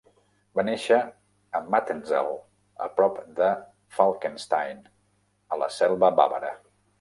Va néixer a Mattenzell, a prop de Falkenstein a la selva bàvara.